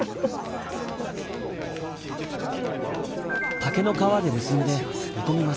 竹の皮で結んで煮込みます。